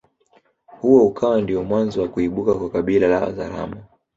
Huo ukawa ndiyo mwanzo wa kuibuka kwa kabila la wazaramo